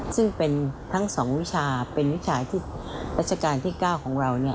ซึ่งเป็นทั้ง๒วิชาเป็นวิชาที่รัชกาลที่๙ของเรา